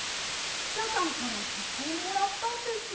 クシャさんからはこをもらったんですが。